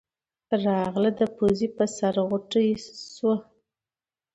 راغله د پوزې پۀ سر غوټۍ شوه